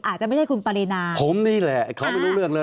อาจจะไม่ใช่คุณปรินาผมนี่แหละเขาไม่รู้เรื่องเลย